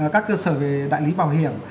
các cơ sở về đại lý bảo hiểm